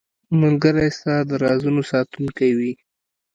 ملګری ستا د رازونو ساتونکی وي.